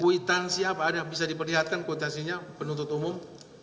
kuitansi apa ada bisa diperlihatkan kwitansinya penuntut umum